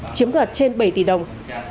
chiếm đoạt trên bảy tỷ đồng